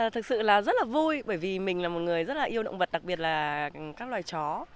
thực sự là rất là vui bởi vì mình là một người rất là yêu động vật đặc biệt là các loài chó